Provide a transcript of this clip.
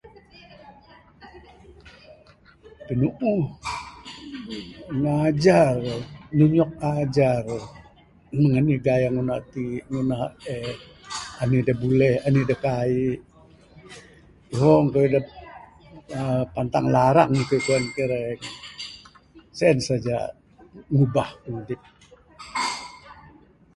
Pinuuh ngajar, nunjok ajar, meng anih gaya ngundah ti, ngundah eh. Anih da buleh anih da kaik. Ihong kayuh da aaa pantang larang kayuh kuan kireng. Sien saja ngubah pimudip